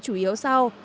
chủ yếu sau